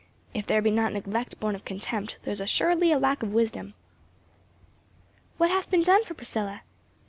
If there be not neglect born of contempt, there is assuredly a lack of wisdom." "What hath been done for Priscilla?"